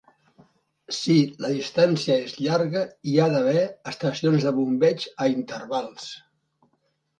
Si la distància és llarga, hi ha d'haver estacions de bombeig a intervals.